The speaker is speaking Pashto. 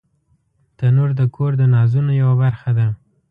تنور د کور د نازونو یوه برخه ده